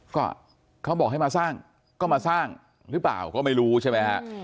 ก็เขาบอกให้มาสร้างก็มาสร้างหรือเปล่าก็ไม่รู้ใช่ไหมฮะ